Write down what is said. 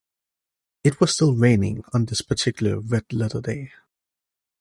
It was still raining on this particular red-letter day.